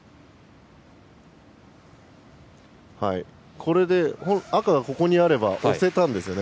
これで赤がここにあれば押せたんですよね。